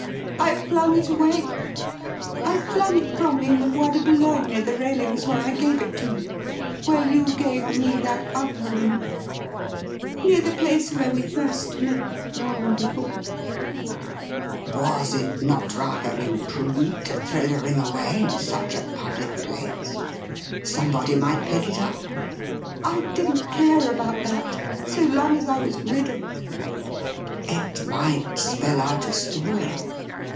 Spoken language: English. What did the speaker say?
' I flung it away. I flung it from me in the Bois de Boulogne, near the railings where I gave it to you, where you gave me that other ring — near the place where we first met long before.' ' Was it not rather imprudent to throw the ring away in such a public place ? Somebody might pick it up.' ' I didn't care about that, so long as I was rid of it.' ' It might spell out a story.'